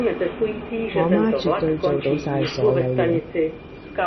我媽絕對做到晒所有嘢